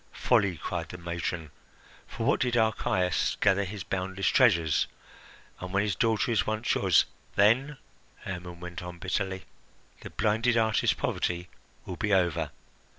"Folly!" cried the matron. "For what did Archias gather his boundless treasures? And when his daughter is once yours " "Then," Hermon went on bitterly, "the blinded artist's poverty will be over.